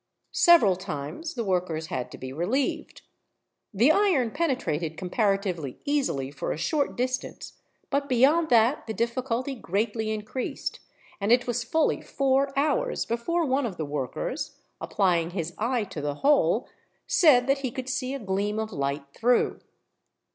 Several times, the workers had to be relieved. The iron penetrated comparatively easily for a short distance, but beyond that the difficulty greatly increased; and it was fully four hours before one of the workers, applying his eye to the hole, said that he could see a gleam of light through.